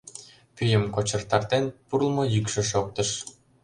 Пӱйым кочыртатен пурлмо йӱкшӧ шоктыш.